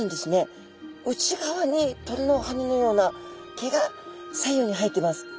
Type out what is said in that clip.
内側に鳥の羽のような毛が左右に生えています。